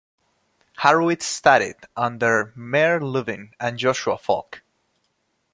Horowitz studied under Meir Lublin and Joshua Falk.